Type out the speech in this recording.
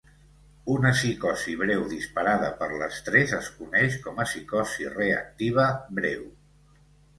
Una psicosi breu disparada per l'estrès es coneix com a psicosi reactiva breu.